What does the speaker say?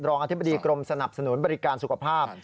อธิบดีกรมสนับสนุนบริการสุขภาพ